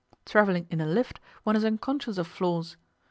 Travelling in a lift, one is unconscious of floors.